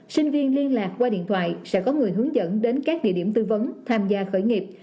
sinh viên liên lạc qua điện thoại sẽ có người hướng dẫn đến các địa điểm tư vấn tham gia khởi nghiệp